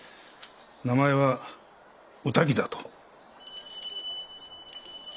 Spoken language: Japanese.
名前はお滝だと。